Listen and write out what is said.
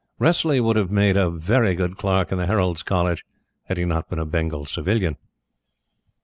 Wressley would have made a very good Clerk in the Herald's College had he not been a Bengal Civilian.